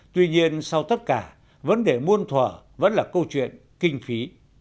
tuy nhiên sau tất cả vấn đề muôn thỏa vẫn là câu chuyện kinh phí